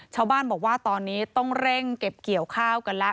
ชาวบ้านบอกว่าตอนนี้ต้องเร่งเก็บเกี่ยวข้าวกันแล้ว